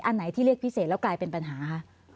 อันไหนที่เรียกพิเศษแล้วกลายเป็นปัญหาคะ